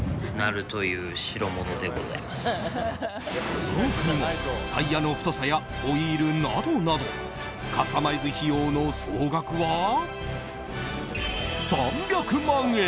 その他にもタイヤの太さやホイールなどなどカスタマイズ費用の総額は３００万円。